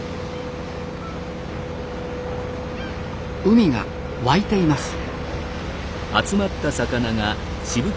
海が沸いています。